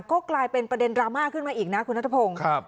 ก็กลายเป็นประเด็นดราม่าขึ้นมาอีกนะคุณนัทพงศ์